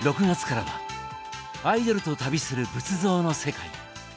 ６月からは「アイドルと旅する仏像の世界」。